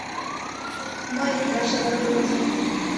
Мый, ваше благородие.